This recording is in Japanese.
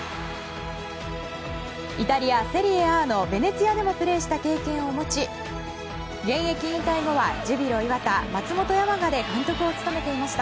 イタリア・セリエＡのヴェネツィアでもプレーした経験を持ち現役引退後はジュビロ磐田、松本山雅で監督を務めていました。